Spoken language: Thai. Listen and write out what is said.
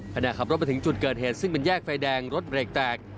ขณะขับรถมาถึงจุดเกิดเหตุซึ่งเป็นแยกไฟแดงรถเบรกแตก